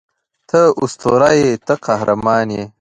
ته اسطوره یې ته قهرمان یې